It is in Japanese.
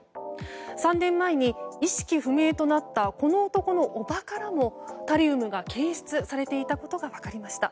３年前に意識不明となったこの男の叔母からもタリウムが検出されていたことが分かりました。